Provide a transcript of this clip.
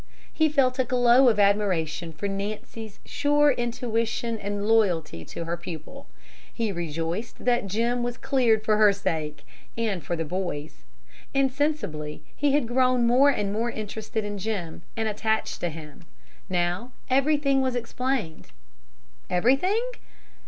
He felt a glow of admiration for Nancy's sure intuition and loyalty to her pupil. He rejoiced that Jim was cleared for her sake and for the boy's. Insensibly he had grown more and more interested in Jim and attached to him. Now everything was explained. Everything?